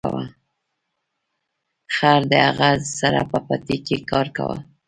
خر د هغه سره په پټي کې کار کاوه.